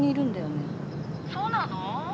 ☎そうなの？